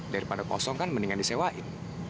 daripada kosong kan mendingan disewain